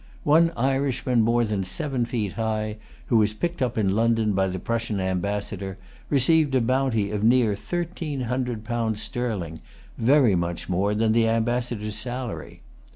One Irishman more than seven feet high, who was picked up in London by the Prussian ambassador, received a bounty of near thirteen hundred pounds sterling, very much more than the ambassador's salary.